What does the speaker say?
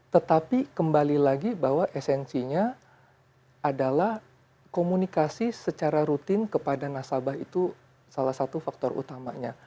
tetapi kembali lagi bahwa esensinya adalah komunikasi secara rutin kepada nasabah itu salah satu faktor utamanya